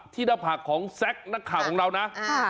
ที่นักภาคของแซ็คนักข่าวของเรานะ